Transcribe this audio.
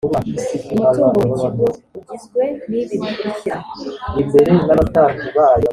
umutungo w ikigo ugizwe n ibi bikurikira